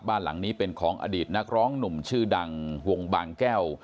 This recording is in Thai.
บ้านหลังนี้เป็นของอดีตนักร้องหนุ่มชื่อดังวงบางแก้ว